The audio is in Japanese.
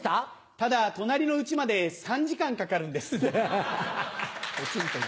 ただ隣の家まで３時間かかるんです。ハハハ。